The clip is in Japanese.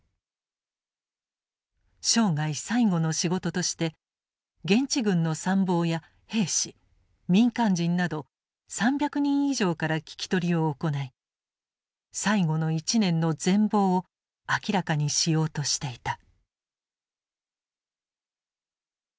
生涯最後の仕事として現地軍の参謀や兵士民間人など３００人以上から聞き取りを行い最後の１年の全貌を明らかにしようとしていた。